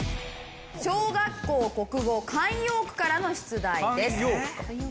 小学校国語慣用句からの出題です。